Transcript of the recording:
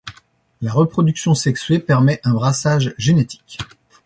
La reproduction sexuée permet un brassage génétique.